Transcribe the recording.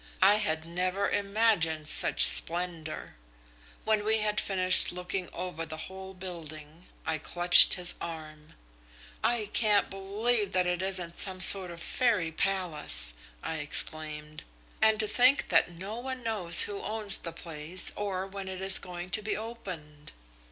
I had never imagined such splendour. When we had finished looking over the whole building, I clutched his arm. "'I can't believe that it isn't some sort of fairy palace!' I exclaimed. And to think that no one knows who owns the place or when it is going to be opened!'